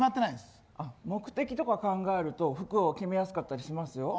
目的考えると服を決めやすかったりしますよ。